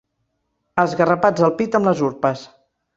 Esgarrapats al pit amb les urpes.